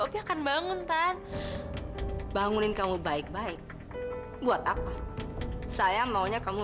opi akan bangun kan bangunin kamu baik baik buat apa saya maunya kamu